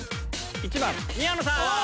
１番宮野さん！